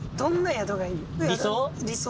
理想？